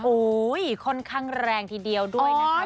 โอ้โหค่อนข้างแรงทีเดียวด้วยนะคะ